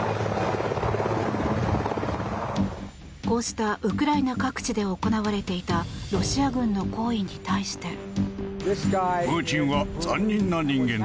こうしたウクライナ各地で行われていたロシア軍の行為に対して。